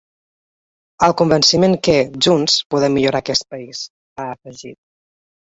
El convenciment que, junts, podem millorar aquest país, ha afegit.